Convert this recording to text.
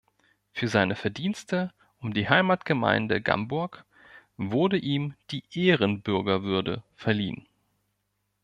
Für seine Verdienste um die Heimatgemeinde Gamburg wurde ihm die Ehrenbürgerwürde verliehen.